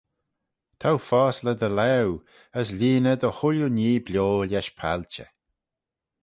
T'ou fosley dty laue: as lhieeney dy chooilley nhee bio lesh palchey.